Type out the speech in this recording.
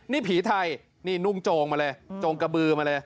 นี่ผีไทยนี่นุ่งโจงมาเลยโจงกระบือมาเลย